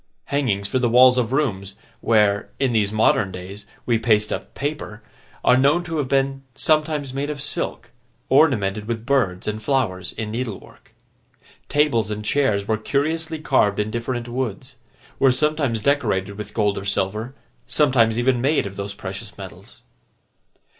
Hangings for the walls of rooms, where, in these modern days, we paste up paper, are known to have been sometimes made of silk, ornamented with birds and flowers in needlework. Tables and chairs were curiously carved in different woods; were sometimes decorated with gold or silver; sometimes even made of those precious metals.